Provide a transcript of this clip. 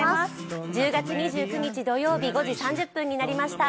１０月２９日土曜日５時３０分になりました。